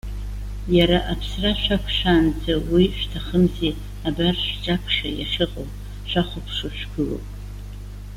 Иара, аԥсра шәақәшәаанӡа уи шәҭахымзи. Абар шәҿаԥхьа иахьыҟоу, шәахәаԥшуа шәгылоуп.